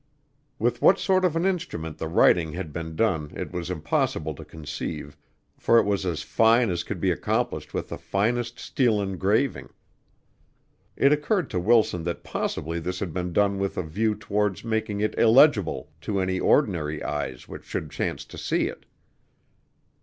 With what sort of an instrument the writing had been done it was impossible to conceive, for it was as fine as could be accomplished with the finest steel engraving. It occurred to Wilson that possibly this had been done with a view towards making it illegible to any ordinary eyes which should chance to see it.